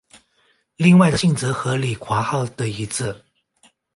另外的性质和李括号的一致。